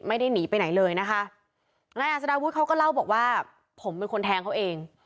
ไม่ได้หนีไปไหนเลยนะคะนายอัศดาวุฒิเขาก็เล่าบอกว่าผมเป็นคนแทงเขาเอง